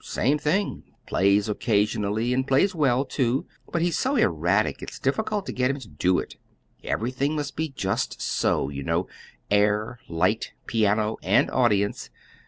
"Same thing. Plays occasionally, and plays well, too; but he's so erratic it's difficult to get him to do it. Everything must be just so, you know air, light, piano, and audience.